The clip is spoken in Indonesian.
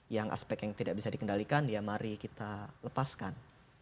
yang aspek yang tidak bisa dikendalikan ya mari kita lepaskan